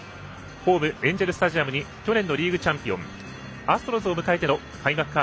ホーム、エンジェルスタジアムに去年のリーグチャンピオンアストロズを迎えての開幕